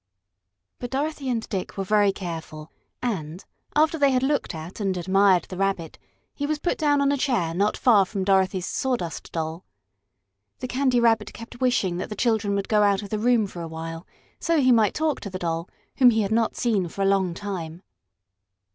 But Dorothy and Dick were very careful, and, after they had looked at and admired the Rabbit, he was put down on a chair not far from Dorothy's Sawdust Doll. The Candy Rabbit kept wishing that the children would go out of the room for a while, so he might talk to the Doll, whom he had not seen for a long time.